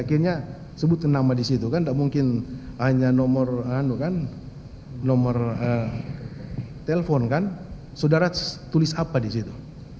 akhirnya sebut nama disitu kan gak mungkin hanya nomor telepon kan saudara tulis apa disitu